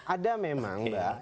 ada memang mbak